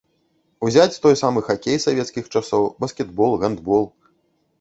Узяць той саамы хакей савецкіх часоў, баскетбол, гандбол.